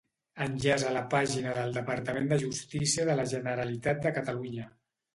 Enllaç a la pàgina del Departament de Justícia de la Generalitat de Catalunya.